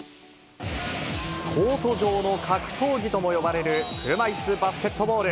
コート上の格闘技とも呼ばれる車いすバスケットボール。